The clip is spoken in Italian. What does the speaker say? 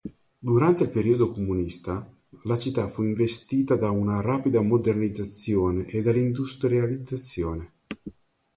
Durante il periodo comunista, la città fu investita da una rapida modernizzazione e dall'industrializzazione.